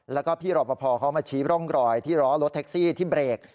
แล้วก็พี่รอปภเขามาชี้ร่องรอยที่ล้อรถแท็กซี่ที่เบรก